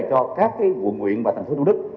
cho các quận nguyện và thành phố thu đức